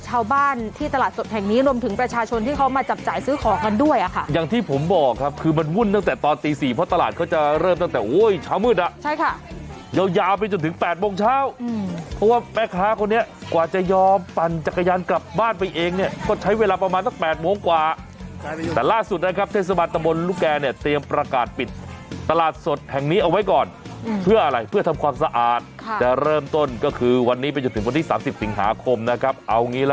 ยาวยาวไปจนถึงแปดโมงเช้าอืมเพราะว่าแม่ค้าคนนี้กว่าจะยอมปั่นจักรยานกลับบ้านไปเองเนี้ยก็ใช้เวลาประมาณต้องแปดโมงกว่าแต่ล่าสุดนะครับเทศบาทตะบลลูกแกรเนี้ยเตรียมประกาศปิดตลาดสดแห่งนี้เอาไว้ก่อนอืมเพื่ออะไรเพื่อทำความสะอาดค่ะแต่เริ่มต้นก็คือวันนี้ไปจนถึง